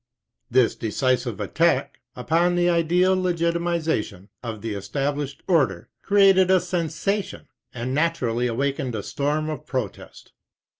This decisive attack upon the ideal legitimation of the established order created a sensation, and naturally awakened a storm of protest.